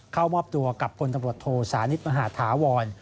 เข้ามอบตัวกับพลตำรวจโทสานิทมหาธาวร